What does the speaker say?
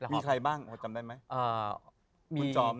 มีใครบ้างจำได้ไหม